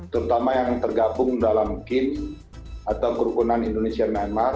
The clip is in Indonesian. terutama yang tergabung dalam kin atau kruponan indonesia nenmar